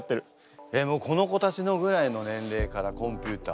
えっもうこの子たちぐらいの年齢からコンピューター？